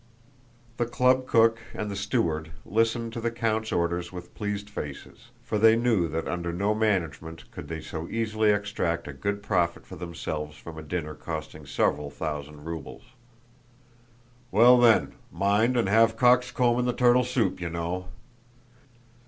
The club cook and the steward listened to the count's orders with pleased faces, for they knew that under no other management could they so easily extract a good profit for themselves from a dinner costing several thousand rubles. "Well then, mind and have cocks' comb in the turtle soup, you know!"